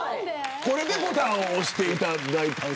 これでボタンを押していただいたと。